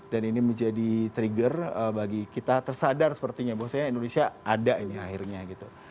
dan ini menjadi trigger bagi kita tersadar sepertinya bahwa saya indonesia ada ini akhirnya gitu